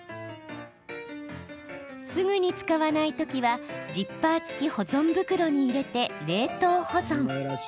すぐに使わないときはジッパー付き保存袋に入れて冷凍保存。